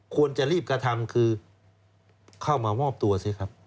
ควรจะรีบกระทำคือเข้ามามอบตัวสิครับ